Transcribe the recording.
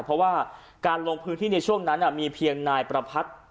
เพราะว่าการลงพื้นที่ในช่วงนั้นมีเพียงนายประพัทธ์